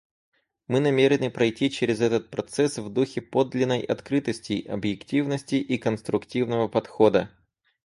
Мы намерены пройти через этот процесс в духе подлинной открытости, объективности и конструктивного подхода.